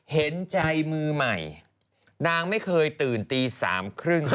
เห็นใจมือใหม่นางไม่เคยตื่นตีสามครึ่ง